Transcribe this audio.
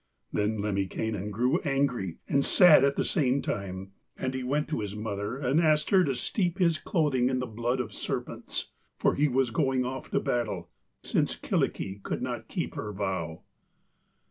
Then Lemminkainen grew angry and sad at the same time, and he went to his mother and asked her to steep his clothing in the blood of serpents, for he was going off to battle since Kyllikki could not keep her vow.